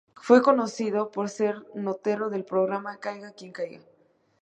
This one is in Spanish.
Fue conocido por ser notero del programa "Caiga quien caiga".